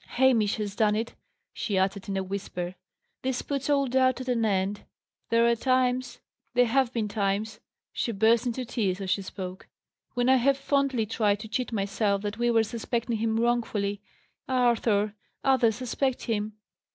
"Hamish has done it!" she uttered, in a whisper. "This puts all doubt at an end. There are times there have been times" she burst into tears as she spoke "when I have fondly tried to cheat myself that we were suspecting him wrongfully. Arthur! others suspect him."